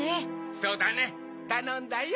そうだねたのんだよ。